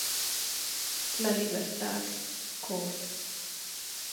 La Libertad, Col.